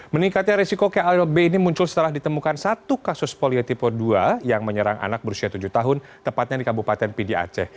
meningkatnya resiko klb ini muncul setelah ditemukan satu kasus polio tipe dua yang menyerang anak berusia tujuh tahun tepatnya di kabupaten pdi aceh